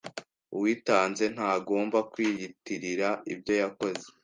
Uwitanze ntagomba kwiyitirira ibyo yakoze,